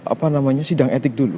apa namanya sidang etik dulu